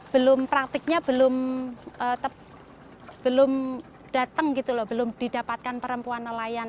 belum praktiknya belum datang gitu loh belum didapatkan perempuan nelayan